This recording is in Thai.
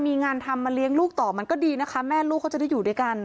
มีงานทำมาเลี้ยงลูกต่อมันก็ดีนะคะแม่ลูกเขาจะได้อยู่ด้วยกัน